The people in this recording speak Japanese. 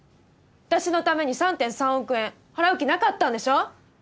私のために３．３億円払う気なかったんでしょ？